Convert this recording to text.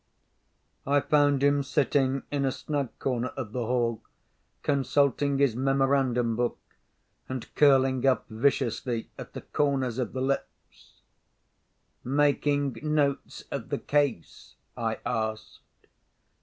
I found him sitting in a snug corner of the hall, consulting his memorandum book, and curling up viciously at the corners of the lips. "Making notes of the case?" I asked.